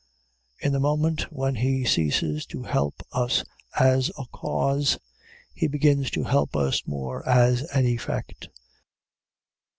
In the moment when he ceases to help us as a cause, he begins to help us more as an effect.